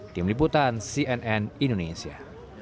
tim liputan cnn indonesia